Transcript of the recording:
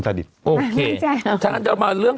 มันติดคุกออกไปออกมาได้สองเดือน